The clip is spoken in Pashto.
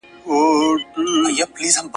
نړیوال قوانین د تړونونو پر بنسټ دي.